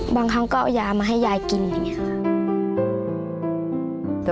บางครั้งก็เอายามาให้ยายกินอย่างนี้ครับ